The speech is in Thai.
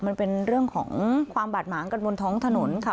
มันเป็นเรื่องของความบาดหมางกันบนท้องถนนค่ะ